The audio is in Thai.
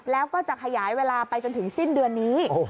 แล้วก็จะขยายเวลาไปจนถึงสิ้นเดือนนี้